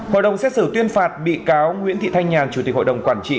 hội đồng xét xử tuyên phạt bị cáo nguyễn thị thanh nhàn chủ tịch hội đồng quản trị